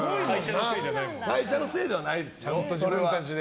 会社のせいではないです。